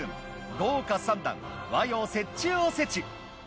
豪華三段和洋折衷おせち。